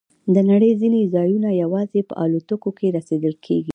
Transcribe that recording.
د نړۍ ځینې ځایونه یوازې په الوتکو کې رسیدل کېږي.